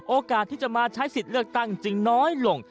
โอกาสที่จะมาใช้สิทธิ์เลือกตั้งจึงน้อยลง